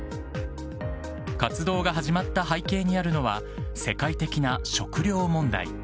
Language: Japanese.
活動が始まった背景にあるのは、世界的な食料問題。